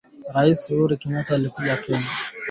pamoja na nusu saa ya matangazo ya televisheni ya Duniani Leo